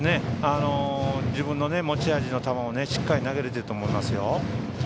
自分の持ち味の球をしっかり投げれてると思いますよ。